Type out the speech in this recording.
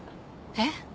えっ？